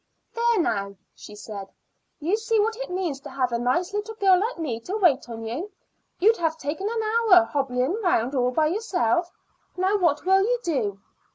"There, now," she said. "You see what it means to have a nice little girl like me to wait on you. You'd have taken an hour hobbling round all by yourself. Now what will you do?"